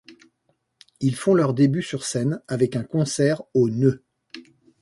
Ils font leurs débuts sur scène avec un concert au Neu!